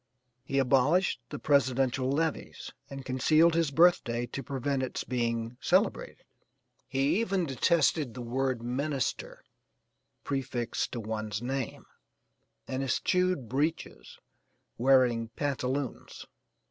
He abolished the presidential levees, and concealed his birthday to prevent its being celebrated. He even detested the word minister prefixed to one's name, and eschewed breeches, wearing pantaloons.